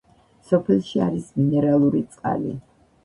სოფელში არის მინერალური წყალი.